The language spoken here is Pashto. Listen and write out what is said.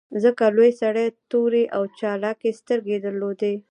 ځکه لوی سړي تورې او چالاکې سترګې درلودې